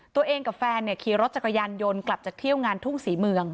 ตัวเองกับแฟนขี่รถจักรยานยนต์กลับจากเที่ยวงานทุ่งศรีเมือง